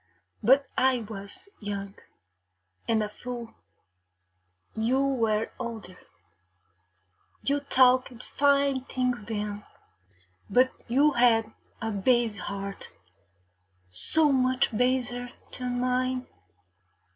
But I was young and a fool; you were older. You talked fine things then, but you had a base heart, so much baser than mine....